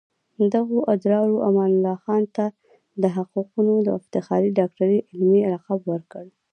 دغو ادارو امان الله خان ته د حقوقو د افتخاري ډاکټرۍ علمي لقب ورکړ.